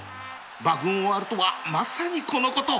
馬群を割るとはまさにこのこと！